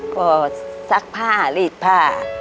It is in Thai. ก็ซักผ้ารีดผ้า